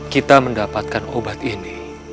kita mendapatkan obat ini